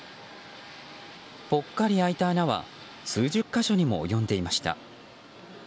ぽっかり開いた穴は数十か所にも及んでいました。